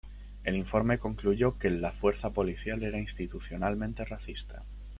El informe concluyó que el la fuerza policial era "institucionalmente racista".